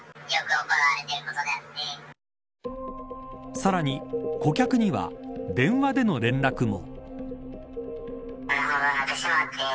さらに、顧客には電話での連絡も。